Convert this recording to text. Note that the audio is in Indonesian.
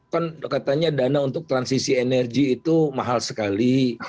kan katanya dana untuk transisi energi itu mahal sekali